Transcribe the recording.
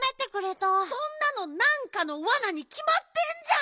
そんなのなんかのワナにきまってんじゃん！